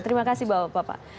terima kasih bapak